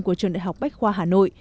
của trường đại học bách khoa hà nội